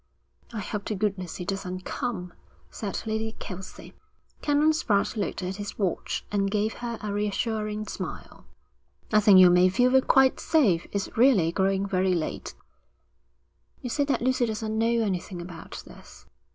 'I hope to goodness he doesn't come,' said Lady Kelsey. Canon Spratte looked at his watch and gave her a reassuring smile. 'I think you may feel quite safe. It's really growing very late.' 'You say that Lucy doesn't know anything about this?'